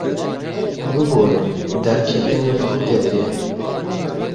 Bibore, derketin li ku derê ye?